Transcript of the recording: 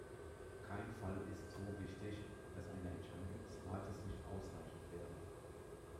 Kein Fall ist so wichtig, dass eine Entscheidung des Rates nicht ausreichend wäre.